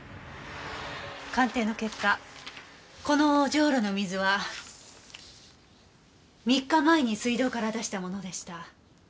鑑定の結果このジョウロの水は３日前に水道から出したものでした。